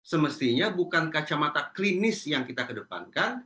semestinya bukan kacamata klinis yang kita kedepankan